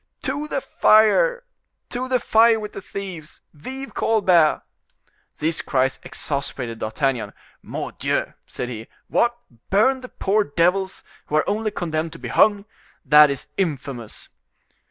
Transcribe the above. "To the fire! to the fire with the thieves! Vive Colbert!" These cries exasperated D'Artagnan. "Mordioux!" said he. "What! burn the poor devils who are only condemned to be hung? that is infamous!"